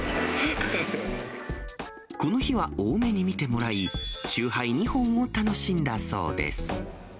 この日は大目に見てもらい、酎ハイ２本を楽しんだそうです。